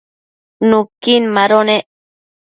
nuquin mado nec